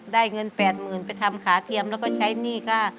ได้เงิน๘๐๐๐ไปทำขาเทียมแล้วก็ใช้หนี้ค่า